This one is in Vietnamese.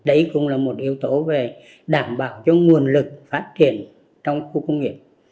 đấy cũng là một yếu tố về đảm bảo cho nguồn lực phát triển trong khu công nghiệp